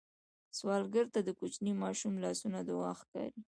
سوالګر ته د کوچني ماشوم لاسونه دعا ښکاري